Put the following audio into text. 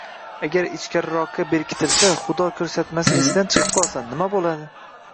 Agar ichkariroqqa berkitsa, Xudo ko`rsatmasin esidan chiqib qolsa, nima bo`ladi